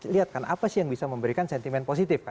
lihat kan apa sih yang bisa memberikan sentimen positif